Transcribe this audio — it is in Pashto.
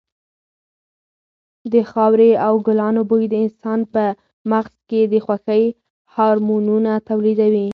د خاورې او ګلانو بوی د انسان په مغز کې د خوښۍ هارمونونه تولیدوي.